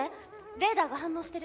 レーダーが反応してる。